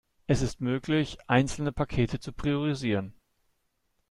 Es ist möglich, einzelne Pakete zu priorisieren.